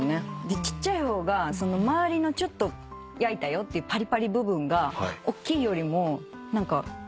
ちっちゃい方がまわりのちょっと焼いたよっていうパリパリ部分がおっきいよりも何回も食べれる。